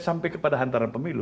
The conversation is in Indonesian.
sampai kepada hantaran pemilu